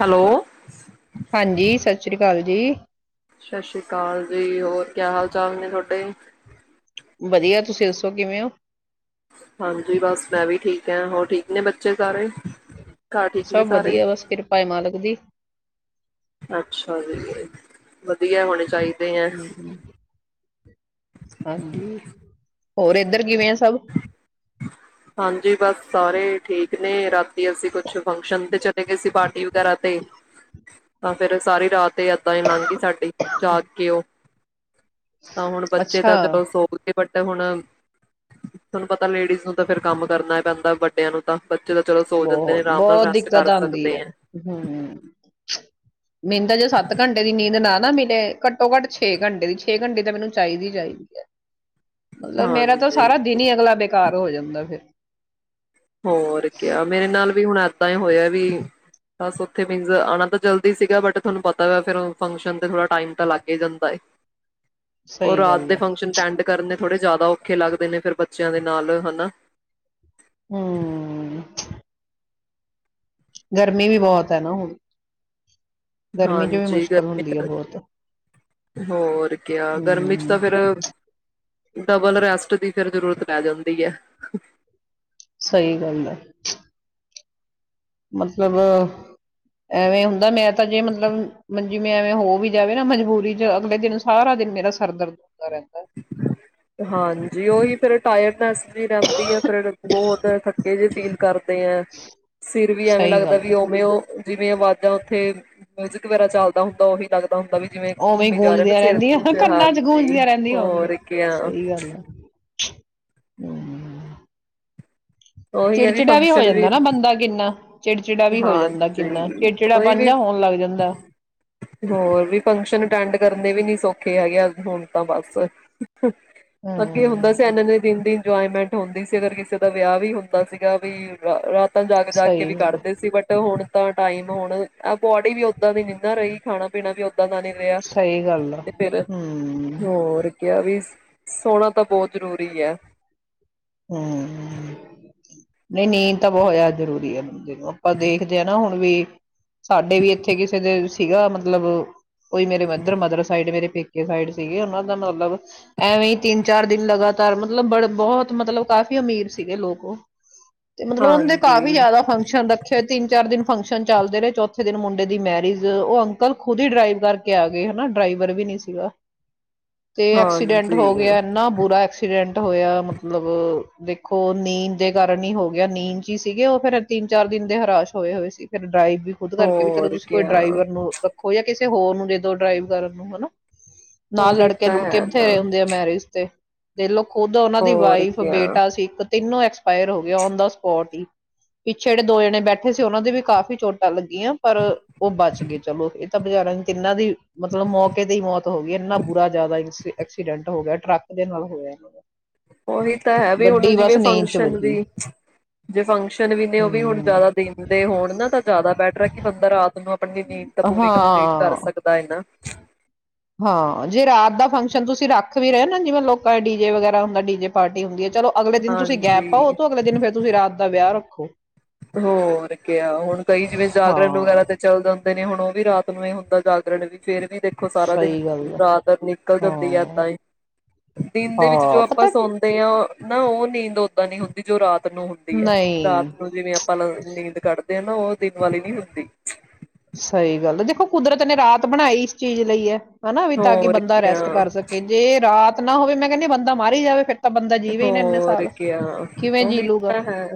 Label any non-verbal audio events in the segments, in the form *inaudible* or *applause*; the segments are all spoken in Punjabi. ਹੈਲੋ ਹਾਂਜੀ ਸਤ ਸਤਿ ਸ਼੍ਰੀ ਅਕਾਲ ਜੀ ਸਤਿ ਸ੍ਰੀ ਅਕਾਲ ਜੀ ਹੋਰ ਕਿਆ ਹਾਲ ਚਾਲ ਨੇ ਤੁਹਾਡੇ ਵਧੀਆ ਤੁਸੀਂ ਦੱਸੋ ਕਿਵੇਂ ਹੋ ਹਾਂਜੀ ਬਸ ਮੈਂ ਵੀ ਠੀਕ ਹੈ ਹੋਰ ਠੀਕ ਨੇ ਬੱਚੇ ਸਾਰੇ ਘਰ ਠੀਕ ਨੇ ਸਭ ਸਾਰੇ ਵਧੀਆ, ਬਸ ਕਿਰਪਾ ਏ ਮਾਲਕ ਦੀ। ਅੱਛਾ ਜੀ ਵਧੀਆ ਹੋਣੇ ਚਾਹੀਦੇ ਹੈ ਹੂੰ, ਹਾਂਜੀ, ਹੋਰ ਇੱਧਰ ਕਿਵੇਂ ਐ ਸਭ ਹਾਂਜੀ ਬਸ ਸਾਰੇ ਠੀਕ ਨੇ ਰਾਤੀ ਅਸੀਂ ਕੁਛ ਫੰਕਸ਼ਨ ਤੇ ਚਲੇ ਗਏ ਸੀ ਪਾਰਟੀ ਵਗੈਰਾ ਤੇ ਤਾਂ ਫੇਰ ਏ ਸਾਰੀ ਰਾਤ ਤੇ ਏਦਾਂ ਲੰਘ ਗ ਸਾਡੀ ਜਾਗ ਕੇ ਉਹ ਤਾਂ ਹੁਣ ਬੱਚੇ ਅੱਛਾ, ਤਾਂ ਚਲੋ ਸ਼ੋਕ ਤੇ ਵੱਡੇ ਤੇ ਹੁਣ ਤੁਹਾਨੂੰ ਪਤਾ ਲੇਡੀਜ਼ ਨੂੰ ਤਾਂ ਫੇਰ ਕੰਮ ਕਰਨਾ ਪੈਂਦਾ ਵੱਡਿਆਂ ਨੂੰ ਤਾਂ ਬੱਚੇ ਤਾਂ ਚਲੋ ਸੋ ਜਾਂਦੇ ਨੇ ਬਹੁਤ ਆਰਾਮ ਨਾਲ ਬਹੁਤ ਰੈਸਟ ਦਿੱਕਤ ਕਰ ਆਉਂਦੀ ਸਕਦੇ ਹੈ, ਹੂ, ਮੈਨੂ ਤੇ ਜੇ ਸੱਤ ਘੰਟੇ ਦੀ ਨੀਂਦ ਨਾਲ ਮੈਨਰੇ ਘੱਟੋ ਘੱਟ ਛੇ ਘੰਟੇ ਦੀ ਛੇ ਘੰਟੇ ਤਾਂ ਮੈਨੂੰ ਚਾਹੀਦੀ ਚਾਹੀਦੀ ਹੈ ਮਤਲਬ ਮੇਰਾ ਤਾਂ ਹਾਂਜੀ ਸਾਰਾ ਦਿਨ ਹੀ ਅਗਲਾ ਬੇਖ ਘਰ ਹੋ ਜਾਂਦਾ ਫਿਰ ਹੋਰ ਕੇਹਾ ਮੇਰੇ ਨਾਲ ਵੀ ਹੁਣ ਏਦਾਂ ਹੀ ਹੋਇ ਵੀ ਬ ਉਥੇਨ ਆਉਣਾ ਤਾਂ ਜਲਦੀ ਸੀਗਾ ਬਟ ਤੁਾਨੂੰ ਪਤਾ ਵ ਫੰਕਸ਼ਨ ਤੇ ਥੋੜਾ ਟਾਇਮ ਲੱਗ ਹੀ ਜਾਂਦਾ ਹੈ ਔ ਸਹੀ ਰਾਤ ਗੱਲ ਦੇ ਐ। ਫੰਕਸ਼ਨ ਅਟੈਂਡ ਕਰਨੇ ਥੋੜੇ ਜ਼ਿਆਦਾ ਔਖੇ ਲੱਗਦੇ ਨੇ ਫਿਰ ਬੱਚਿਆਂ ਦੇ ਨਾਲ ਹੈਨਾ ਹੂ ਗਰਮੀ ਵੀ ਬਹੁਤ ਹੈ ਨਾ ਹੁਣ ਗਰਮੀ ਚ ਵੀ ਹਾਂਜੀ ਮੁਸ਼ਕਿਲ ਹੁੰਦੀ ਐ ਗਰਮੀ ਬਹੁਤ। ਹੋਰ ਕਯਾ ਗਰਮੀ ਚ ਤਾਂ ਫਿਰ ਹੂੰ, ਡਬਲ ਰੈਸਟ ਦੀ ਫਿਰ ਜ਼ਰੂਰਤ ਪੈ ਜਾਂਦੀ ਹੈ ਸਹੀ ਗੱਲ ਹੈ ਮਤਲਬ ਐਵੇਂ ਹੁੰਦਾ ਮੈਂ ਤਾਂ ਜੇ ਮਤਲਬ ਜੀਵੇਂ ਐਵੇਂ ਹੋ ਵੀ ਜਾਵੇ ਨਾ ਮਜਬੂਰੀ ਚ ਅਗਲੇ ਦਿਨ ਸਾਰਾ ਦਿਨ ਮੇਰਾ ਸਰ ਦਰਦ ਹੁੰਦਾ ਰਹਿੰਦਾ ਹਾਂਜੀ ਉਹੀ ਫਿਰ ਟਾਇਰਡ ਨੈਸ ਰਹਿੰਦੀ ਆ ਫਿਰ ਬਹੁਤ ਥੱਕੇ ਜਿਹੇ ਫੀਲ ਕਰਦੇ ਆ ਸਿਰ ਵੀ ਐਵੇਂ ਸਹੀ ਲੱਗਦਾ ਗੱਲ ਵੀ ਹੈ ਉਵੇਂ ਉਹ ਜਿਵੇਂ ਆਵਾਜ਼ਾਂ ਉੱਥੇ ਮਿਊਜਿਕ ਵਗੈਰਾ ਚਲਦਾ ਹੁੰਦਾ ਉਹੀ ਲੱਗਦਾ ਆਪਾਂ ਵੀ ਜਿਵੇਂ ਉਵੇਂ ਘੁੰਮੀ ਜਾ ਰਿਹਾ ਨਾ ਸਿਰਤੂ ਚ ਹਾਂਜੀ ਹੋ ਗਈ ਹੋਰ ਕਿਆ ਸਹੀ ਗੱਲ ਆ ਹ *unintelligible* ਉਹੀ ਹੈ ਚਿੜਚਿੜਾ ਵੀ ਹੋ ਫੰਕਸ਼ਨ ਜਾਂਦਾ ਨਾ ਬੰਦਾ ਕਿੰਨਾ ਚਿੜ ਹਾਂਜੀ ਕੋਈ ਵੀ, ਹੋਣ ਲੱਗ ਜਾਂਦਾ ਹੋਰ ਵੀ ਫੰਕਸ਼ਨ ਅਟੈਂਡ ਕਰਨ ਕਦੇ ਵੀ ਨੀ ਸੌਖੇ ਹੈਗੇ ਹੁਣ ਤਾਂ ਬਸ। ਅੱਗੇ ਹੁੰਦਾ ਸੀ ਹਮ ਇਹਨਾਂ ਦੇ *unintelligible* ਇੰਜੋਏਮੈਂਟ ਹੁੰਦੀ ਸੀ ਅਗਰ ਕਿਸੇ ਦਾ ਵਿਆਹ ਵੀ ਹੁੰਦਾ ਸੀਗਾ ਵੀ ਰਾ ਰਾ ਤਾਂ ਜਾਗ-ਜਾਗ ਕੇ ਸਹੀ ਵੀ ਗੱਲ ਕਰਦੇ ਸੀ ਬਟ ਹੁਣ ਤਾਂ ਟਾਈਮ ਹੁਣ ਆ ਬੋਡੀ ਵੀ ਓਦਾਂ ਦੀ ਨੀ ਨਾ ਰਹੀ ਖਾਣਾ-ਪੀਣਾ ਵੀ ਦਾਂ ਦਾ ਨੀ ਰਿਹਾ ਸਹੀ ਗੱਲ ਆ ਤੇ ਫਿਰ, ਹਮ ਹੋਰ ਕਿਹਾ ਵੀ ਸੋਣਾ ਤਾਂ ਬਹੁਤ ਜ਼ਰੂਰੀ ਐ। ਹੂੰ ਨਹੀਂ ਨੀਂਦ ਤਾਂ ਬਹੁਤ ਜ਼ਿਆਦਾ ਜ਼ਰੂਰੀ ਹੈ ਬੰਦੇ ਨੂੰ ਆਪਾਂ ਦੇਖਦੇ ਹਾਂ ਨਾ ਹੁਣ ਵੀ ਸਾਡੇ ਵੀ ਇੱਥੇ ਕਿਸੇ ਦੇ ਸੀਗਾ ਮਤਲਬ, ਕੋਈ ਮੇਰੇ ਮਦਰ ਮਦਰ ਸਾਈਡ ਮੇਰੇ ਪੇਕੇ ਸਾਈਡ ਸੀਗੇ ਉਹਨਾਂ ਦਾ ਮਤਲਬ ਐਵੇਂ ਹੀ ਤਿੰਨ-ਚਾਰ ਦਿਨ ਲਗਾਤਾਰ ਮਤਲਬ ਬੜ ਬਹੁਤ ਮਤਲਬ ਕਾਫੀ ਅਮੀਰ ਸੀਗੇ ਲੋਕ ਉਹ। ਤੇ ਮਤਲਬ ਉਹ ਦੇ ਹਾਂਜੀ ਕਾਫੀ ਜ਼ਿਆਦਾ ਫੰਕਸ਼ਨ ਰੱਖੇ ਹੋਏ ਤਿੰਨ-ਚਾਰ ਦਿਨ ਫੰਕਸ਼ਨ ਚੱਲਦੇ ਰਹੇ ਚੌਥੇ ਦਿਨ ਮੁੰਡੇ ਦੀ ਮੈਰਿਜ ਉਹ ਅੰਕਲ ਖੁਦ ਹੀ ਡਰਾਈਵ ਕਰਕੇ ਆ ਗਏ ਹਨਾ ਡਰਾਈਵਰ ਵੀ ਨੀ ਸੀਗਾ। ਤੇ ਐਕਸੀਡੈਂਟ ਹਾਂਜੀ ਹੋ ਗਿਆ ਇੰਨਾ ਬੁਰਾ ਐਕਸੀਡੈਂਟ ਡੈਟ ਹੋਇਆ ਮਤਲਬ ਦੇਖੋ ਨੀਂਦ ਦੇ ਕਾਰਨ ਹੀ ਹੋ ਗਿਆ ਨੀਂਦ 'ਚ ਹੀ ਸੀਗੇ ਉਹ ਫੇਰ ਤਿੰਨ-ਚਾਰ ਦਿਨ ਦੇ ਹਰਾਸ਼ ਹੋਏ ਹੋਏ ਸੀ ਫੇਰ ਡਰਾਈਵ ਵੀ ਖੁਦ ਕਰਕੇ ਵੀ ਚਲੋ ਹੋਰ ਤੁਸੀਂ ਕੋਈ ਕਿਆ ਡਰਾਈਵਰ ਨੂੰ ਰੱਖੋ ਜਾਂ ਕਿਸੇ ਤੇ ਹੋਰ ਨੂੰ ਜਦੋ ਡਰਾਈਵ ਕਰਨ ਨੂੰ ਹਨਾ ਨਾਲ ਉਹੀ ਤਾਂ ਲੜਕੇ-ਲੁੜਕੇ ਹੈ ਨਾ ਬਥੇਰੇ ਹੁੰਦੇ ਆ ਮੈਰਿਜ ਤੇ। ਦੇਖਲੋ ਖੁਦ ਦੀ ਹੋਰ ਵਾਈਫ ਕਿਆ ਬੇਟਾ ਸੀ ਇੱਕ ਤਿੰਨੋ ਐਕਸਪਾਇਰ ਹੋ ਗਏ ਓਨ ਦਾ ਸਪੋਟ ਹੀ। ਪਿੱਛੇ ਜਿਹੜੇ ਦੋ ਜਣੇ ਬੈਠੇ ਸੀ ਉਹਨਾਂ ਦੀ ਵੀ ਕਾਫੀ ਚੋਟਾਂ ਲੱਗੀਆਂ ਪਰ ਉਹ ਬਚ ਗਏ ਚਲੋ। ਤਾਂ ਬੇਚਾਰਿਆਂ ਦੀ ਤਿੰਨਾਂ ਦੀ ਮਤਲਬ ਮੌਕੇ ਤੇ ਹੀ ਮੌਤ ਹੋ ਗਈ ਇੰਨਾ ਬੁਰਾ ਜ਼ਿਆਦਾ ਐਕਸੀਡੈਂਟ ਹੋ ਗਿਆ ਟਰੱਕ ਦੇ ਨਾਲ ਹੋਇਆ ਇਹਨਾਂ ਦਾ। ਉਹੀ ਤਾਂ ਹੈ ਵੀ ਹੁਣ ਗੱਡੀ ਜਿਵੇਂ ਬਸ ਨੀਂਦ ਚ ਫੰਕਸ਼ਨ ਵੀ, ਵੱਜੀ ਜੇ ਫੰਕਸ਼ਨ ਵੀ ਨੇ ਉਹ ਵੀ ਹੁਣ ਹੂੰ ਜਿਆਦਾ ਦਿਨ ਦੇ ਹੋਣ ਨਾ ਤਾਂ ਜ਼ਿਆਦਾ ਬੈਟਰ ਹੈ ਕਿ ਬੰਦਾ ਰਾਤ ਨੂੰ ਆਪਣੀ ਨੀਂਦ ਤਾਂ ਪੂਰੀ ਕੰਪਲੀਟ ਕਰ ਹਾਂ ਸਕਦਾ ਏ ਨਾ। ਹਾਂ ਜੇ ਰਾਤ ਦਾ ਫੰਕਸ਼ਨ ਤੁਸੀਂ ਰੱਖ ਵੀ ਰਹੇ ਹੋ ਨਾ ਜਿਵੇਂ ਲੋਕਾਂ ਦੇ ਡੀ ਜੇ ਵਗੈਰਾ ਹੁੰਦਾ ਡੀ ਜੇ ਪਾਰਟੀ ਹੁੰਦੀ ਏ ਚਲੋ ਅਗਲੇ ਦਿਨ ਤੁਸੀਂ ਗੈਪ ਪਾਓ ਹਾਂਜੀ। ਤ ਅਗਲੇ ਦਿਨ ਫੇਰ ਤੁਸੀਂ ਰਾਤ ਦਾ ਵਿਆਹ ਰੱਖੋ ੋ *unintelligible* ਹੋਰ ਕਯਾ ਹੁਣ ਕਈ ਜਿਵੇਂ ਜਾਗਰਣ ਹਾਂ ਵਗੈਰਾ ਤੇ ਚੱਲਦਾ ਹੁੰਦਾ ਨੇ ਹੁਣ ਉਹ ਵੀ ਰਾਤ ਨੂੰ ਇਹ ਹੁੰਦਾ ਜਾਗਰਣ ਵੀ ਫੇਰ ਵੀ ਦੇਖੋ ਸਾਰਾ ਦਿਨ ਸਹੀ ਗੱਲ ਹੈ ਰਾਤ ਨਿਕਲ ਹਾਂ ਜਾਂਦੀ ਹੈ ਏਦਾਂ ਹੀ ਦਿਨ ਦੇ ਵਿੱਚ ਜੋ ਹਾਂ ਆਪਾਂ ਪਤਾ ਸੌਂਦੇ ਹਾਂ ਨਾ ਉਹ ਨੀਂਦ ਉਦਾਂ ਨੀ ਹੁੰਦੀ ਜੋ ਰਾਤ ਰਾਤ ਨੂੰ ਹੁੰਦੀ ਹੈ ਰਾਤ ਨਹੀਂ ਨੂੰ ਜਿਵੇਂ ਨੀਂਦ ਕੱਢਦੇ ਆ ਨਾ ਉਹ ਦਿਨ ਵਾਲੀ ਨੀ ਹੁੰਦੀ ਸਹੀ ਗੱਲ ਦੇਖੋ ਕੁਦਰਤ ਨੇ ਰਾਤ ਬਣਾਈ ਇਸ ਚੀਜ਼ ਲਈ ਹੈ ਹੈਨਾ ਵੀ ਤਾਂ ਕਿ ਹੋਰ ਬੰਦਾ ਕਿਆ ਰੈਸਟ ਕਰ ਸਕੇ ਜੇ ਰਾਤ ਏ ਨਾ ਹੋਵੇ ਮੈਂ ਕਹਿਨੀ ਬੰਦਾ ਮਰ ਹੀ ਜਾਵੇ ਫਿਰ ਤਾਂ ਬੰਦਾ ਜੀਵੇ ਹੀ ਨਾ ਇੰਨੇ ਹੋਰ ਸਾਲ ਕਯਾ ਕਿਵੇਂ ਜੀ ਉਹੀ ਲੂਗਾ ਤਾਂ ਹੈ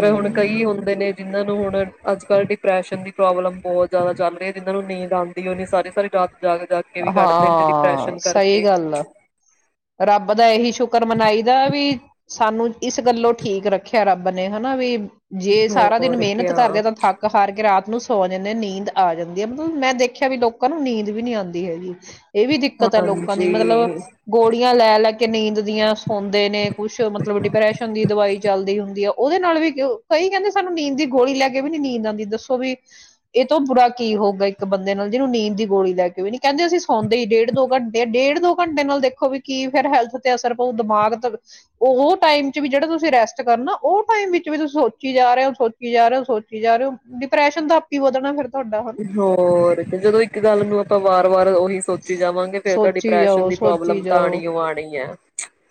ਰ ਹੁਣ ਕਈ ਹੁੰਦੇ ਨੇ ਜਿਨਾਂ ਨੂੰ ਹੁਣ ਅੱਜ ਕੱਲ੍ਹ ਡਿਪ੍ਰੈਸ਼ਨ ਪ੍ਰੋਬਲਮ ਬਹੁਤ ਜਿਆਦਾ ਚੱਲ ਰਹੀ ਇੱਧਰੋਂ ਨਹੀਂ ਜਾਂਦੀ ਉਹਨੀ ਸਾਰੇ ਸਾਰੀ ਰਾਤ ਜਾਗ ਜਾਗ ਕੇ ਵੀ ਕੱਢਦੇ ਨੇ ਹਾਂ ਡਿਪਰੈਸ਼ਨ ਸਹੀ ਕਰਕੇ ਗੱਲ ਆ ਰੱਬ ਦਾ ਇਹੀ ਸ਼ੁਕਰ ਮਨਾਈ ਦਾ ਵੀ ਸਾਨੂੰ ਇਸ ਗੱਲੋਂ ਠੀਕ ਰੱਖਿਆ ਰੱਬ ਨੇ ਹੈਨਾ ਵੀ ਜੇ ਸਾਰਾ ਦਿਨ ਹੋਰ ਮਿਹਨਤ ਕਿਆ ਕਰਦੇ ਤਾਂ ਥੱਕ ਹਾਰ ਕੇ ਰਾਤ ਨੂੰ ਸੌ ਜਾਂਦੇ ਹਾਂ ਨੀਂਦ ਆ ਜਾਂਦੀ ਹੈ ਮਤਲਬ ਮੈਂ ਦੇਖਿਆ ਵੀ ਲੋਕਾਂ ਨੂੰ ਨੀਂਦ ਵੀ ਨੀ ਆਉਂਦੀ ਹੈਗੀ *unintelligible* ਇਹ ਵੀ ਦਿੱਕਤ ਹੈ ਲੋਕਾਂ ਦੀ ਮਤਲਬ ਹਾਂਜੀ ਗੋਲੀ ਗੋਲੀਆਂ ਲੈ ਲੈ ਕੇ ਨੀਂਦ ਦੀਆਂ ਸੌਦੇ ਨੇ ਕੁੱਛ ਮਤਲਬ ਡਿਪਰੈਸ਼ਨ ਦੀ ਦਵਾਈ ਚੱਲਦੀ ਹੁੰਦੀ ਆ ਉਹਦੇ ਨਾਲ ਵੀ ਕਈ ਕਹਿੰਦੇ ਸਾਨੂੰ ਨੀਂਦ ਦੀ ਗੋਲੀ ਲੈ ਕੇ ਵੀ ਨੀ ਨੀਂਦ ਆਉਂਦੀ ਦੱਸੋ ਵੀ ਇਹ ਤੋਂ ਬੁਰਾ ਕੀ ਹੋਊਗਾ ਇੱਕ ਬੰਦੇ ਨਾਲ ਜਿਹਨੂੰ ਨੀਂਦ ਦੀ ਗੋਲੀ ਲੈ ਕੇ ਵੀ ਨੀ ਕਹਿੰਦੇ ਅਸੀਂ ਸੌਂਦੇ ਹੀ ਡੇਢ ਦੋ ਘੰਟੇ ਡੇਢ ਦੋ ਘੰਟੇ ਨਾਲ ਦੇਖੋ ਵੀ ਕੀ ਫੇਿਰ ਹੈਲਥ ਤੇ ਅਸਰ ਪਊ ਦਿਮਾਗ ਉਹ ਟਾਈਮ ਚ ਵੀ ਜਿਹੜਾ ਤੁਸੀਂ ਰੈਸਟ ਕਰਨਾ ਉਹ ਟਾਈਮ ਵਿੱਚ ਵੀ ਤੁਸੀਂ ਸੋਚੀ ਜਾ ਰਹੇ ਹੋ ਸੋਚੀ ਜਾ ਰਹੇ ਹੋ ਸੋਚੀ ਜਾ ਰਹੇ ਹੋ ਡਿਪਰੈਸ਼ਨ ਦਾ ਆਪ ਹੀ ਵਧਣਾ ਫਿਰ ਤੁਹਾਡਾ ਹਨ ਹੋਰ ਤੇ ਜਦੋਂ ਇੱਕ ਗੱਲ ਨੂੰ ਆਪਾਂ ਵਾਰ ਵਾਰ ਉਹੀ ਸੋਚੀ ਜਾਵਾਂਗੇ ਫਿਰ ਤਾਂ ਸੋਚੀ ਡਿਪਰੈਸ਼ਨ ਜਾਓ ਦੀ ਸੋਚੀ ਪ੍ਰੋਬਲਮ ਤਾਂ ਜਾਓ ਆਣੀਓ ਆਉਣੀ ਹੈ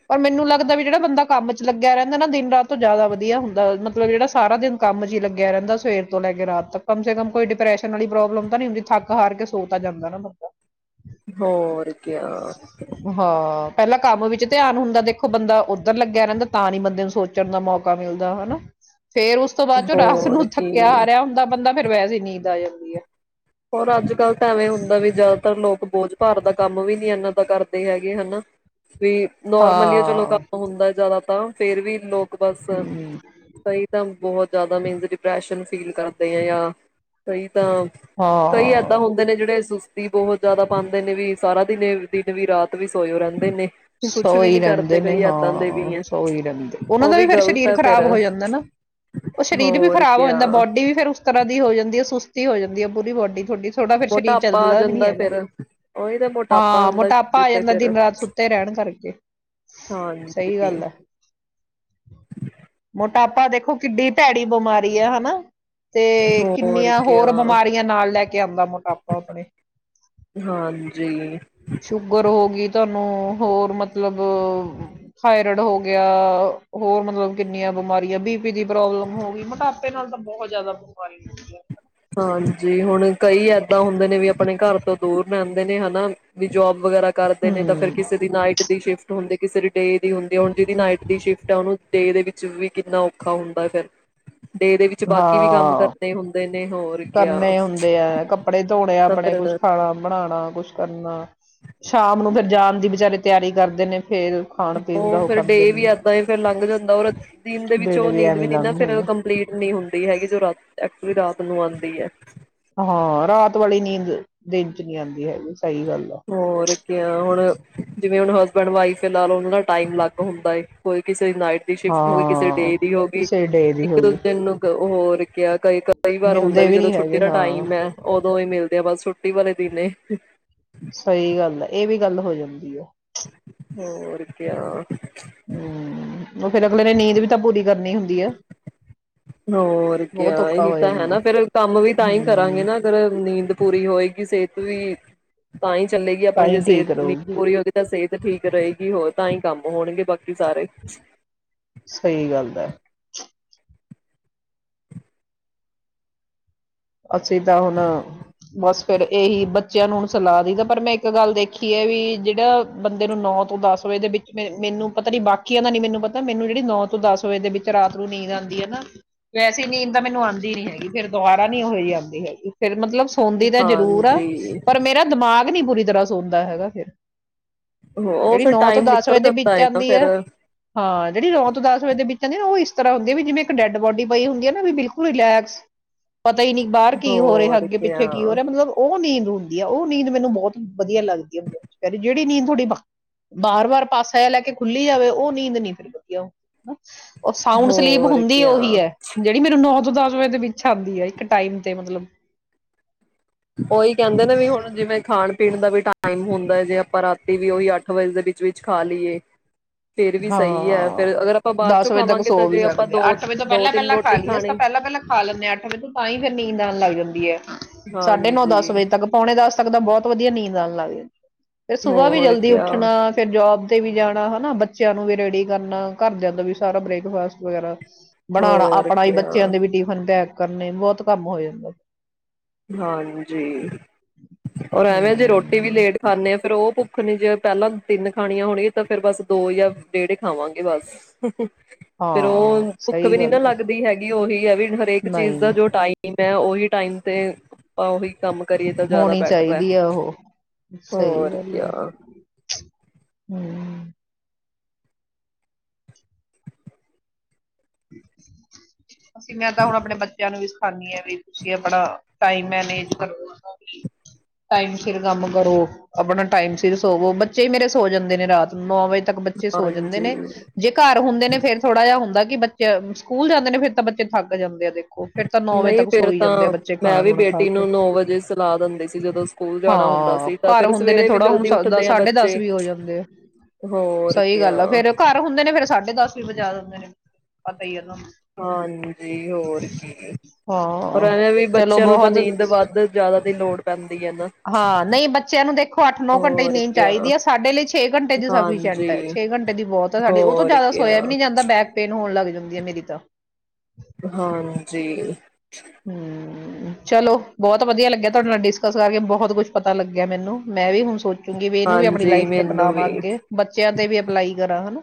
ਪਰ ਮੈਨੂੰ ਲੱਗਦਾ ਵੀ ਜਿਹੜਾ ਬੰਦਾ ਕੰਮ ਚ ਲੱਗਿਆ ਰਹਿੰਦਾ ਨਾ ਦਿਨ ਰਾਤ ਤੋਂ ਜ਼ਿਆਦਾ ਵਧੀਆ ਹੁੰਦਾ ਮਤਲਬ ਜਿਹੜਾ ਸਾਰਾ ਦਿਨ ਕੰਮ ਚ ਹੀ ਲੱਗਿਆ ਰਹਿੰਦਾ ਸਵੇਰ ਤੋਂ ਲੈ ਕੇ ਰਾਤ ਤੱਕ ਕਮ ਸੇ ਕਮ ਕੋਈ ਡਿਪਰੈਸ਼ਨ ਵਾਲੀ ਪ੍ਰੋਬਲਮ ਤਾਂ ਨੀ ਹੁੰਦੀ ਥੱਕ ਹਾਰ ਕੇ ਸੋ ਤਾਂ ਜਾਂਦਾ ਲੈਣਾ ਮੱਗਾ ਹੋਰ ਕਯਾ ਹਾਂ ਪਹਿਲਾਂ ਕੰਮ ਵਿੱਚ ਧਿਆਨ ਹੁੰਦਾ ਦੇਖੋ ਬੰਦਾ ਉੱਧਰ ਲੱਗਿਆ ਰਹਿੰਦਾ ਤਾਂ ਨੀ ਬੰਦੇ ਨੂੰ ਸੋਚਣ ਦਾ ਮੌਕਾ ਮਿਲਦਾ ਹੈਨਾ ਫੇਰ ਉਸ ਤੋਂ ਬਾਅਦ ਚੋਂ ਰਾਤ ਹੋਰ ਨੂੰ ਥੱਕਿਆ ਕੀ ਹਾਰਿਹਾ ਹੁੰਦਾ ਬੰਦਾ ਫ ਵੈਸੇ ਹੀ ਨੀਂਦ ਆ ਜਾਂਦੀ ਹੈ ਹੋਰ ਅੱਜ ਕੱਲ੍ਹ ਤਾਂ ਵੀ ਹੁੰਦਾ ਵੀ ਜ਼ਿਆਦਾਤਰ ਲੋਕ ਬੋਝ ਭਾਰ ਦਾ ਕੰਮ ਵੀ ਨੀ ਇਹਨਾਂ ਕਰਦੇ ਹੈਗੇ ਹੈਨਾ ਵੀ, ਨੋਰਮਲੀ ਚਲੋ, ਹਾਂ ਕੰਮ ਹੁੰਦਾ ਜ਼ਿਆਦਾ ਤੇ ਅਫੇਰ ਵੀ ਲੋਕ ਬਸ ਹਮ ਸਹੀ ਤਾਂ ਬਹੁਤ ਜ਼ਿਆਦਾ ਮੀਨਸ ਡਿਪਰੈਸ਼ਨ ਫੀਲ ਕਰਦੇ ਆ ਜਾਂ ਕਈ ਤਾਂ ਕਈ, ਇਏਦਾਂ ਹਾਂ ਹੁੰਦੇ ਨੇ ਜਿਹੜੇ ਤੀ ਬਹੁਤ ਜਿਆਦਾ ਪਾਉਂਦੇ ਨੇ ਵੀ ਸਾਰਾ ਦਿਨ ਦਿਨ ਵੀ ਰਾਤ ਵੀ ਸੋਇਓ ਰਹਿੰਦੇ ਨੇ ਕੁਛ ਸੋ ਵੀ ਹੀ ਨੀ ਰਹਿੰਦੇ ਕਰਦੇ ਨੇ ਕਈ ਏਦਾਂ ਦੇ ਹਾਂ, ਵੀ ਹੈ ਸੋ ਹੀ ਰਹਿੰਦੇ ਉਹਨਾ ਉਹ ਦਾ ਵੀ ਫਿਰ ਗ਼ਲਤ ਸਰੀਰ ਹੈ ਫੇਰ ਖ਼ਰਾਬ ਹੋ ਜਾਂਦਾ ਨਾ ਉਹ ਸਰੀਰ ਵੀ ਹੋਰ ਖਰਾਬ ਹੋ ਕਿਆ ਜਾਂਦਾ ਬੋਡੀ ਵੀ ਫੇਰ ਉਸ ਤਰ੍ਹਾਂ ਦੀ ਹੋ ਜਾਂਦੀ ਸੁਸਤੀ ਹੋ ਜਾਂਦੀ ਹੈ, ਪੂਰੀ ਬੋਡੀ ਤੇ ਥੋੜ੍ਹਾ ਫਿਰ ਸਰੀਰ ਮੋਟਾਪਾ ਆ ਚੱਲਦਾ ਵੀ ਨੀ ਜਾਂਦਾ ਹੈਗਾ। ਫੇਰ ਉਹੀ ਤਾਂ ਮੋਟਾਪਾ ਹਾਂ ਹੁੰਦਾ ਮੋਟਾਪਾ ਸਰੀਰ ਆ ਤੇ ਜਾਂਦਾ ਫੇਰ ਦਿਨ ਰਾਤ ਸੁੱ ਰਹਿਣ ਕਰਕੇ, ਸਹੀ ਹਾਂਜੀ, ਗੱਲ ਹੈ ਮੋਟਾਪਾ ਦੇ ਦੇਖੋ ਕਿੱਡੀ ਭੈੜੀ ਬਿਮਾਰੀ ਆ ਹਨਾ। ਤੇ ਹੋਰ ਕਿੰਨੀਆਂ ਕਿਆ ਹੋਰ ਬਿਮਾਰੀਆਂ ਨਾਲ ਲੈ ਕੇ ਆਉਂਦਾ, ਮੋਟਾਪਾ ਆਪਣੇ ਹਾਂਜੀ। ਸ਼ੂਗਰ, ਹੋ ਗਈ ਤੋਨੂੰ ਹੋਰ ਮਤਲਬ ਥਾਇਰੋਡ, ਹੋਗ ਹੋਰ ਮਤਲਬ ਕਿੰਨੀਆਂ ਬਿਮਾਰੀਆਂ ਬੀਪੀ, ਦੀ ਪ੍ਰੋਬਲਮ ਹੋ ਗਈ ਮੋਟਾਪੇ ਨਾਲ ਤਾਂ ਬਹੁਤ ਜਿਆਦਾ ਬਿਮਾਰੀ ਹੁੰਦੀ ਆ ਇੱਦਾਂ ਹੁੰਦੇ ਨੇ ਵੀ ਆਪਣੇ ਘਰ ਤੋਂ ਦੂਰ ਨੇ ਜਾਂਦੇ ਨੇ ਹਨਾ, ਵੀ ਜੋਬ ਵਗੈਰਾ ਕਰਦੇ ਨੇ, ਤਾਂ ਫਿਰ ਹੂੰ ਕਿਸੇ ਦੀ ਨਾਈਟ ਦੀ ਸ਼ਿਫਟ ਹੁੰਦੀ ਕਿਸ ਦ ਡੇ ਦੀ ਹੁੰਦੀ ਹੁਣ ਜਿਹਦੀ ਨਾਈਟ ਦੀ ਸ਼ਿਫਟ ਉਹਨੂੰ ਡੇ ਦੇ ਵਿੱਚ ਵੀ ਕਿੰਨਾ ਔਖਾ ਹੁੰਦਾ ਫਿਰ ਡੇ ਦੇ ਵਿੱਚ ਬਾਕੀ ਵੀ ਕੰਮ ਹਾਂ। ਕਰਨੇ ਹੁੰਦੇ ਨੇ ਹੋਰ ਕਿਆ। ਕਰਨੇ ਹੁੰਦੇ ਹੈ ਕੱਪੜੇ ਧੋਣੇ, ਤਾਂ ਆਪਣੇ ਕੁਛ ਫਿਰ ਖਾਣਾ ਬਣਾਉਣਾ, ਕੁਛ ਕਰਨਾ ਸਾਮ ਨੂੰ ਫਿਰ ਜਾਣ ਦੀ ਵਿਚਾਰੇ ਤਿਆਰੀ ਕਰਦੇ ਨੇ ਫੇਰ ਖਾਣ ਪੀਣ ਦਾ ਉਹ ਫਿਰ ਕਰਦੇ ਡੇ ਵੀ ਨੇ। ਏਦਾਂ ਫੇਰ ਲੰਘ ਜਾਂਦਾ ਰ ਦਿਨ ਦੇ ਵਿੱਚ ਉਹ ਨੀਂਦ ਵੀ ਐਵੇਂ ਨ ਨਾ, ਲੰਘ ਫਿਰ ਜਾਂਦਾ। ਕੰਪਲੀਟ ਨਹੀਂ ਹੁੰਦੀ। ਹੈਗੀ ਜੋ ਰਾਤ, ਐਕਚੁਲੀ ਰਾਤ ਨੂੰ ਆਉਂਦੀ ਹੈ। ਹਾਂ, ਰਾਤ ਵਾਲੀ ਨੀਂਦ ਦਿਨ ਚ ਨੀ ਆਉਂਦੀ, ਹੈਗੀ। ਸਹੀ ਗੱਲ ਆ ਹੋਰ ਕਿਆ ਹੁਣ ਜਿਵੇਂ ਹੁਣ ਹਸਬੈਂਡ ਵਾਈਫ ਲ ਥੋੜਾ ਟਾਈਮ ਅਲੱਗ ਹੁੰਦਾ ਹੈਏ ਕੋਈ ਕਿਸੇ ਕਿਸੇ ਨਾਈਟ ਦੀ ਸ਼ਿਫਟ ਹੋ ਗਈ, ਕਿਸੇ ਹਾਂ ਡੇ ਦੀ ਹੋ ਗਈ, ਕਿਸੇ ਡੇ ਦੀ ਹੋ ਇੱਕ-ਦੋ ਗਈ ਦਿਨ ਨੂੰ। ਹੋਰ ਕਈ-ਕਈ ਵਾਰ ਹੁੰਦਾ ਮਿਲਦੇ ਵੀ ਜਦੋਂ ਨਹੀਂ ਛੁੱਟੀ ਹੈਗੇ ਦਾ ਹਾਂ ਟਾਈਮ ਹੈ ਉਦੋਂ ਹੀ ਮਿਲਦੇ ਆ, ਬਸ ਛੁਟੀ ਵਾਲੇ ਦਿਨ ਨੇ ਸਹੀ ਗੱਲ ਹੈ, ਇਹ ਵੀ ਗੱਲ ਹੋ ਜਾਂਦੀ ਹੈ। ਹੋਰ ਕਿਆ ਹੂੰ *inaudible* ਫਿਰ ਅਗਲੇ ਨੇ ਨੀਂਦ ਵੀ ਤਾਂ ਪੂਰੀ ਕਰਨੀ ਹੁੰਦੀ ਆ ਹੋਰ ਬਹੁਤ ਕਿਆ ਔਖਾ ਇਹੀ ਹੋ ਤਾਂ ਹੈ ਜਾਂਦਾ ਨਾ, ਫਿਰ ਕੰਮ ਵੀ ਤਾਂ ਹੀ ਕਰਾਂਗੇ ਹਮ ਨਾ ਅਗਰ ਨੀਂਦ ਪੂਰੀ ਹੋਏਗੀ, ਸਿਹਤ ਵੀ ਤਾਂ ਹੀ ਚੱਲੇਗੀ। ਤਾਂ ਆਪਣੀ ਜੇ ਹੀ ਠੀਕ ਸਿਹਤ ਨੀਂਦ ਰਹੂਗੀ ਪੂਰੀ ਹੋਏਗੀ ਤਾਂ ਸਿਹਤ ਠੀਕ ਰਹੇਗੀ, ਹੋਰ ਤਾਂ ਹੀ ਕੰਮ ਹੋਣਗੇ ਬਾਕੀ ਸਾਰੇ ਸਹੀ ਗੱਲ ਹੈ। ਅਸੀ ਤਾਂ ਹੁਣ ਬਸ ਫਿਰ ਇਹੀ ਬੱਚਿਆਂ ਨੂੰ ਹੁਣ ਸਲਾਹ ਦਈਦਾ ਪਰ ਮੈਂ ਇੱਕ ਗੱਲ ਦੇਖੀ ਹੈ, ਵੀ ਜਿਹੜਾ ਬੰਦੇ ਨੂੰ ਨੌ ਤੋਂ ਦਸ ਵਜੇ ਦੇ ਵਿੱਚ ਮੈਨੂੰ ਪਤਾ ਨੀ ਬਾਕੀਆਂ ਦਾ, ਨੀ ਮੈਨੂੰ ਪਤਾ ਮੈਨੂੰ ਜਿਹੜੀ ਨੌ ਤੋਂ ਦਸ ਵਜੇ ਦੇ ਵਿੱਚ ਰਾਤ ਨੂੰ ਨੀਂਦ ਆਉਂਦੀ ਹੈ ਨਾ ਵੈਸੇ ਨੀਂਦ ਤਾਂ ਮੈਨੂੰ ਆਉਂਦੀ ਨੀ ਹੈਗੀ, ਫਿਰ ਦੁਬਾਰ ਹਨੀ ਹੋ ਜਾਤੀ ਹੈ ਫਿਰ ਮਤਲਬ ਸੌਂਦੀ ਤਾਂ ਜ਼ਰੂਰ ਆ, ਹਾਂਜੀ ਪਰ ਮੇਰਾ ਦਿਮਾਗ ਹਨੀ, ਪੂਰੀ ਤਰ੍ਹਾਂ ਸੋਂਦਾ ਹੈਗਾ ਫਿਰ ਉਹ ਜਿਹੜੀ ਫਿਰ ਨੌ ਤੋਂ ਟਾਈਮ ਦਸ ਨਿਕਲ ਵਜੇ ਦੇ ਜਾਂਦਾ ਵਿੱਚ ਨਾ ਆਉਂਦੀ ਫਿਰ ਹੈ, ਹਾਂ ਜਿਹੜੀ ਨੌ ਤੋਂ ਦਸ ਵਜੇ ਦੇ ਵਿੱਚ ਕਹਿੰਦੇ ਉਹ ਇਸ ਤਰ੍ਹਾਂ ਹੁੰਦੀ ਆ ਵੀ ਜਿਵੇਂ ਇੱਕ ਡੈਡ ਬੋਡੀ ਪਈ ਹੁੰਦੀ ਹੈ ਨਾ ਵੀ ਬਿਲਕੁਲ ਰਿਲੈਕਸ ਪਤਾ ਹੀ ਨਹੀਂ ਬਾਹਰ ਕੀ ਹੋ ਰਿਹਾ, ਹੋਰ ਕਿਆ ਅੱਗੇ-ਪਿੱਛੇ ਕੀ ਹੋ ਰਿਹਾ ਮਤਲਬ, ਉਹ ਨਹੀਂ ਹੁੰਦੀ ਆ, ਉਹ ਨੀਂਦ ਮੈਨੂੰ ਬਹੁਤ ਵਧੀਆ ਲੱਗਦੀ ਐ ਜਿਹੜੀ ਨੀਂਦ ਤੁਹਾਡੀ ਵਾਰ-ਵਾਰ ਪਾਸਾ ਜਾ ਲੈ ਕੇ ਖੁੱਲੀ ਜਾਵੇ, ਉਹ ਨੀਂਦ ਨੀ ਫੇਰ ਵਧੀਆ ਹੁੰਦੀ। ਉਹ ਸਾਊਂਂਡ ਸਲੀਪ ਹੋਰ ਹੁੰਦੀ ਕਿਆ ਉਹੀ ਹੈ, ਜਿਹੜੀ ਮੈਨੂੰ ਨੌ ਤੋਂ ਦਸ ਮੈਂ ਤੇ ਵਿਛਾਂਦੀ ਆਈ ਇੱਕ ਟਾਈਮ ਤੇ ਮਤਲਬ ਉਹੀ ਕਹਿੰਦੇ ਨੇ, ਵੀ ਹੁਣ ਜਿਵੇਂ ਖਾਣ ਪੀਣ ਦਾ ਵੀ ਟਾਈਮ ਹੁੰਦਾ ਹੈ ਜੇ ਪਰ ਰਾਤੀ ਵੀ ਉਹੀ ਅੱਠ ਵਜੇ ਦੇ ਵਿੱਚ ਵਿੱਚ-ਵਿੱਚ ਖਾ ਲਈਏ। ਫੇਰ ਵੀ ਸਹੀ ਹੈ ਹਾਂ, ਫਿਰ ਅਗਰ ਆਪਾਂ ਬਾਅਦ ਦਸ ਚੋਂ ਵਜੇ ਤੱਕ ਖਾਵਾਂਗੇ ਸੋ ਤਾਂ ਵੀ ਜੇ ਆਪਾਂ ਸਕਦੇ ਆ, ਦੋ ਅੱਠ ਵਜੇ ਤੋਂ ਦੋ ਪਹਿਲਾਂ- ਤਿੰਨ ਪਹਿਲਾਂ ਖਾ ਰੋਟੀ ਲਈਏ, ਖਾਣੀ ਤਾਂ ਪਹਿਲਾਂ-ਪਹਿਲਾਂ ਖਾ ਲੈਂਦੇ ਹਾਂ ਅੱਠ ਵਜੇ ਤੋਂ ਤਾਂ ਹੀ, ਫੇਰ ਨੀਂ ਨੀਂਦ ਆਣ ਲੱਗ ਜਾਂਦੀ ਐ। ਸਾਢੇ ਨੌ-ਦਸ ਹਾਂਜੀ ਵਜੇ ਤੱਕ ਪੌਣੇ ਦਸ ਸਕਦਾ ਬਹੁਤ ਵਧੀਆ ਨੀਂਦ ਆਣ ਲੱਗਦੀ ਫਿਰ ਸੁਬਾਹ ਵੀ ਹੋਰ ਜਲਦੀ ਕਿਆ ਉੱਠਣਾ ਫਿਰ ਜੌਬ ਤੇ ਵੀ ਜਾਣਾ ਹਨਾ ਬੱ ਬੱਚਿਆਂ ਨੂੰ ਵੀ ਰੈਡੀ ਕਰਨਾ ਘਰਦਿਆਂ ਦਾ ਵੀ ਸਾਰਾ ਬ੍ਰੇਕਫਾਸਟ ਵਗੈਰਾ ਬਣਾਣਾ ਹੋਰ ਆਪਣਾ ਹੀ ਕਿਆ ਬੱਚਿਆਂ ਦੇ ਵੀ ਟਿਫਨ ਪੈਕ ਕਰਨੇ ਬਹੁਤ ਕੰਮ ਹੋ ਜਾਂਦਾ। ਹਾਂਜੀ, ਔਰ ਐਵੇਂ ਜੇ ਰੋਟੀ ਵੀ ਹਮ ਲੇਟ ਖਾਂਦੇ ਆ ਫਿਰ ਉਹ ਭੁੱਖ ਨੇ ਜੇ ਪਹਿਲਾਂ ਤਿੰਨ ਖਾਣੀਆਂ ਹੋਣਗੀਆਂ ਤਾਂ ਫੇਰ ਬਸ ਦੋ ਜਾਂ ਡੇਢ ਏ ਖਾਵਾਂਗੇ ਬਸ ਫੇਰ ਉਹ ਹਾਂ ਭੁੱਖ ਸਹੀ ਵੀ ਨੀ ਨਾ ਗੱਲ ਹੈ ਲੱਗਦੀ ਹੈਗੀ। ਏ ਉਹੀ ਹੈ ਵੀ ਹਰੇਕ ਚੀਜ਼ ਨਹੀਂ ਦਾ ਜੋ ਟਾਈਮ ਹੈ ਉਹੀ ਟਾਈਮ ਤੇ ਆਪਾਂ ਉਹੀ ਕੰਮ ਕਰੀਏ ਤਾਂ ਜ਼ਿਆਦਾ ਹੋਣੀ ਬੈਟਰ ਹੈ ਚਾਹੀਦੀ ਆ ਉਹ ਸਹੀ ਹੋਰ ਗੱਲ ਕਿਆ ਐ ਹੂ *unintelligible* ਅਸੀ ਮੈਂ ਤਾਂ ਹੁਣ ਆਪਣੇ ਬੱਚਿਆਂ ਨੂੰ ਵੀ ਹਾਂਜੀ ਏ ਵੀ ਤੁਸੀਂ ਆਪਣਾ ਟਾਈਮ ਮੈਨੇਜ ਕਰੋ ਟਾਈਮ ਸਿਰ ਕੰਮ ਕਰੋ ਆਪਣਾ ਟਾਈਮ ਸਿਰ ਸੋਵੋ ਬੱਚੇ ਮੇਰੇ ਸੋ ਜਾਂਦੇ ਨੇ ਰਾਤ ਨੂੰ ਨੌ ਵਜੇ ਤੱਕ ਬੱਚੇ ਸੋ ਜਾਂਦੇ ਹਾਂਜੀ ਨੇ ਜੇ ਘਰ ਹੁੰਦੇ ਨੇ ਫੇਰ ਥੋੜਾ ਜਿਹਾ ਹੁੰਦਾ ਕੀ ਬੱਚ ਸਕੂਲ ਜਾਂਦੇ ਨੇ ਫਿਰ ਤਾਂ ਬੱਚੇ ਥੱਕ ਜਾਂਦੇ ਆ ਦੇਖੋ ਫਿਰ ਤਾਂ ਨੌ ਵਜੇ ਨਹੀਂ ਤੱਕ ਫਿਰ ਸੋਈ ਜਾਂਦੇ ਆ ਤਾਂ ਬੱਚੇ ਮੈਂ ਖਾਣਾ ਵੀ ਖੁਣਾ ਖਾ ਬੇਟੀ ਕੇ ਨੂੰ ਨੋ ਵਜੇ ਸੁਲਾ ਦਿੰਦੀ ਸੀ ਜਦੋਂ ਸਕੂਲ ਜਾਣਾ ਹੁੰਦਾ ਹਾਂ ਸੀ ਤਾਂ ਘਰ ਫਿਰ ਹੁੰਦੇ ਨੇ ਸਵੇਰੇ ਵੀ ਥੋੜਾ ਹੁਣ ਜਲਦੀ ਸ- ਦ- ਉਠਦੇ ਆ ਸਾਢੇ ਦਸ ਬੱਚੇ ਵੀ ਹੋ ਜਾਂਦੇ ਆ ਹੋਰ ਕ ਸਹੀ ਗੱਲ ਆ ਫੇਰ ਘਰ ਹੁੰਦੇ ਨੇ ਫੇਰ ਸਾਢੇ ਦਸ ਵੀ ਵਜਾ ਦੇਂਦੇ ਨੇ ਪਤਾ *unintelligible* ਹਾਂਜੀ ਹੋਰ ਕੀ ਹੈ ਪਰ ਹਾਂ ਐਵੇ ਵੀ ਚਲੋ ਬੱਚਿਆਂ ਨੂੰ ਤਾਂ ਬਹੁਤ ਨੀਂਦ ਵੱਧ ਜ਼ਿਆਦਾ ਦੀ ਲੋੜ ਪੈਂਦੀ ਹੈ ਨਾ ਹਾਂ ਨਹੀਂ ਬੱਚਿਆਂ ਨੂੰ ਦੇਖੋ ਅੱਠ ਨੋ ਘੰਟੇ ਦੀ ਹੋਰ ਨੀਂਦ ਕਿਆ ਚਾਹੀਦੀ ਹੈ ਸਾਡੇ ਲਈ ਛੇ ਘੰਟੇ ਦੀ ਸਫੀਸ਼ਟ ਹੈ ਹਾਂਜੀ ਛੇ ਘੰਟੇ ਦੀ ਬਹੁਤ ਹੈ ਸਾਡੀ ਉਹ ਤੋਂ ਹੋਰ ਜ਼ਿਆਦਾ ਸੋਇਆ ਕਿਆ ਵੀ ਨਹੀਂ ਜਾਂਦਾ ਬੈਕਪੇਨ ਹੋਣ ਲੱਗ ਜਾ ਹੋ ਗਈ ਹੈ ਮੇਰੀ ਤਾਂ ਹਾਂਜੀ ਹਮ ਚਲੋ ਬਹੁਤ ਵਧੀਆ ਲੱਗਿਆ ਤੁਹਾਡੇ ਨਾਲ ਡਿਸਕਸ ਕਰਕੇ ਬਹੁਤ ਕੁੱਛ ਪਤਾ ਲੱਗਿਆ ਮੈਨੂੰ ਮੈਂ ਵੀ ਹੁਣ ਸੋਚ ਕਿਉਂਕਿ ਇਹਨੂੰ ਵੀ ਆਪਣੀ ਹਾਂਜੀ ਲਾਈਫ ਚ ਮੈਨੂੰ ਅਪਣਾਵਾਂ ਵੀ ਅੱਗੇ ਬੱਚਿਆਂ ਤੇ ਵੀ ਅਪਲਾਈ ਕਰਾਂ ਹਨਾ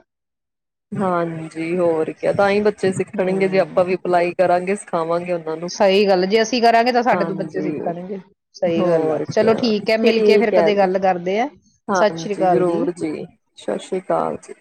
ਹਾਂਜੀ ਹੋਰ ਕਯਾ ਤਾਂ ਹੀ ਬੱਚੇ ਸਿੱਖਣਗੇ ਜੇ ਆਪਾਂ ਹਮ ਵੀ ਅਪਲਾਈ ਕਰਾਂਗੇ ਖਾਵਾਂਗੇ ਹੁਣ ਸਹੀ ਗੱਲ ਜੇ ਅਸੀਂ ਕਰਾਂਗੇ ਤਾਂ ਸਾਡੇ ਤੋਂ ਬੱਚੇ ਹਾਂਜੀ ਸਿੱਖਾਣਗੇ ਸਹੀ ਗੱਲ ਆ ਹੋਰ ਚਲੋ ਕਿਆ ਠੀਕ ਹੈ ਮਿਲ ਕੇ ਫਿਰ ਹੈ ਕਦੇ ਜੀ। ਗੱਲ ਕਰਦੇ ਐ ਸਤਿ ਸ੍ਰੀ ਹਾਂਜੀ ਅਕਾਲ ਜੀ ਜ਼ਰੂਰ ਸਤਿ ਸ੍ਰੀ ਅਕਾਲ ਜੀ।